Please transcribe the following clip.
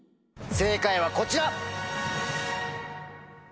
正解はこちら！